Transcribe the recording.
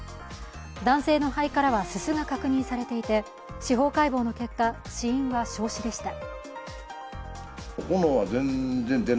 男性の肺からはすすが確認されていて、司法解剖の結果、死因は焼死でした。